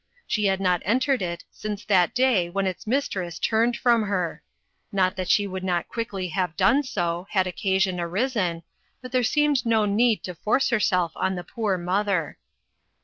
She had not entered it since that day when its mistress turned from her. Not that she would not quickly have done so, had occasion arisen, but there seemed no need to force herself on the poor mother.